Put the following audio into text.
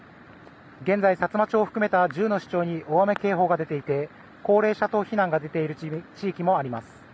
現在、さつま町を含めた１０の市町に大雨警報が出ていて高齢者等避難が出ている地域もあります。